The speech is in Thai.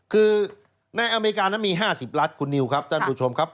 คือในอเมริกานั้นมี๕๐รัฐคุณนิวครับท่านผู้ชมครับ